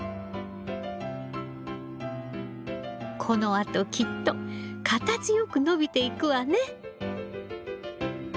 このあときっと形よく伸びていくわね。